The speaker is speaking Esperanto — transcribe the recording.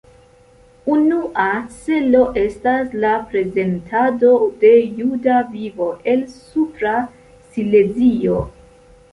Unua celo estas la prezentado de juda vivo el Supra Silezio.